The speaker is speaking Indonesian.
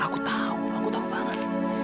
aku tahu aku tahu banget